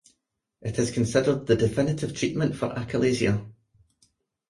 It is considered the definitive treatment for achalasia.